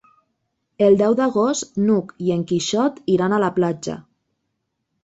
El deu d'agost n'Hug i en Quixot iran a la platja.